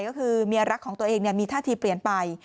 ก็คือเมียรักของตัวเองมีท่าทีเปลี่ยนไป